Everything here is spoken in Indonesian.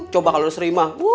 coba kalau sri mah